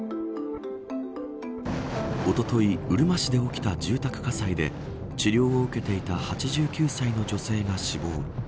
おととい、うるま市で起きた住宅火災で治療を受けていた８９歳の女性が死亡。